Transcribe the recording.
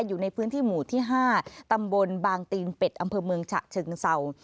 อยู่ในพื้นที่หมู่ที่๕ตำบลบางตีนเป็ดอำเภอเมืองฉะเชิงเศร้า